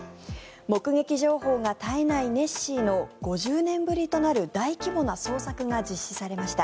目撃情報が絶えないネッシーの５０年ぶりとなる大規模な捜索が実施されました。